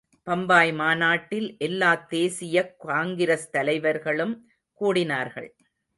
பம்பாய் மாநாட்டில் எல்லாத் தேசியக் காங்கிரஸ் தலைவர்களும் கூடினார்கள்.